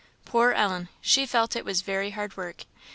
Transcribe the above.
Poor Ellen! she felt it was very hard work.